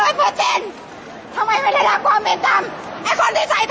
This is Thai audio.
อาหรับเชี่ยวจามันไม่มีควรหยุด